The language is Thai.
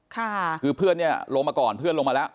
ค่ะคือเพื่อนเนี่ยลงมาก่อนเพื่อนลงมาแล้ว